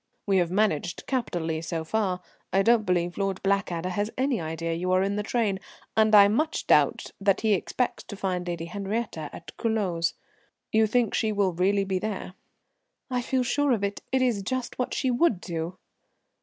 We have managed capitally so far. I don't believe Lord Blackadder has any idea you are in the train, and I much doubt that he expects to find Lady Henriette at Culoz. You think she will really be there?" "I feel sure of it. It is just what she would do."